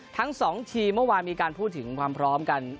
ทั้ง๒ทีมเมื่อวานมีการพูดถึงความพร้อมกัน